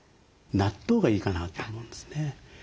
納豆がいいかなと思うんですね。